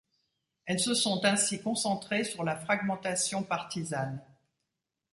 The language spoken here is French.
Elles se sont ainsi concentrées sur la fragmentation partisane.